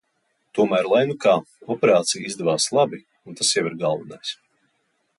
Tomēr lai nu kā, operācija izdevās labi un tas jau ir galvenais.